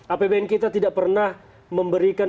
apbn kita tidak pernah memberikan